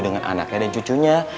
dengan anaknya dan cucunya